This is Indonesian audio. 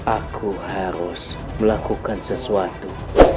aku harus melakukan sesuatu